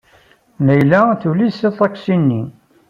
Layla tuli s aṭaksi-nni.